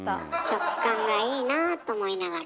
食感がいいなあと思いながら。